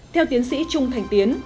theo tiến sĩ trung thành tiến